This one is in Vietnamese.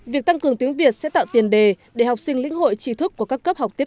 việc tăng cường tiếng việt sẽ tạo tiền đề để học sinh lĩnh hội trí thức của các cấp học tiếp